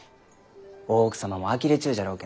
大奥様もあきれちゅうじゃろうけんど。